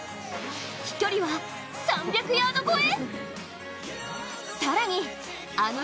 飛距離は３００ヤード超え！？